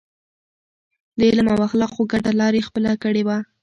د علم او اخلاقو ګډه لار يې خپله کړې وه.